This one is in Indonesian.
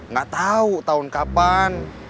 gak tau tahun kapan